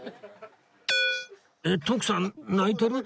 えっ徳さん泣いてる？